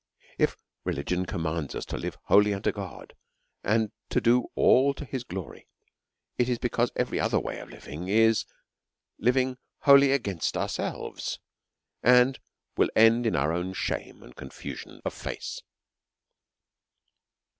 If religion com.mands us to live wholly unto God, and to do all to his glory, it is because every other way is living wholly against ourselves, and will end in our own shame and confusion of face. DEVOUT Mity HOLY LIFE.